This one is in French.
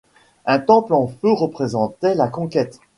Un temple en feu représentait la conquête.